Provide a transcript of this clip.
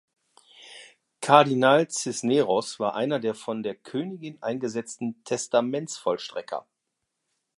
Kardinal Cisneros war einer der von der Königin eingesetzten Testamentsvollstrecker.